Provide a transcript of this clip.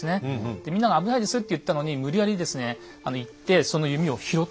でみんなが「危ないです」と言ったのに無理やりですね行ってその弓を拾ってきたんです。